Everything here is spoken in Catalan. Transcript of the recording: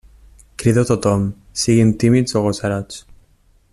Crido tothom, siguin tímids o agosarats.